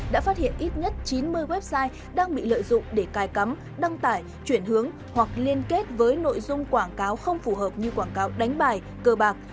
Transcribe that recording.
đã phát hiện ít nhất chín mươi website đang bị lợi dụng để cài cắm đăng tải chuyển hướng hoặc liên kết với nội dung quảng cáo không phù hợp như quảng cáo đánh bài cơ bạc